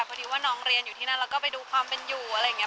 พอดีว่าน้องเรียนอยู่ที่นั่นแล้วก็ไปดูความเป็นอยู่อะไรอย่างนี้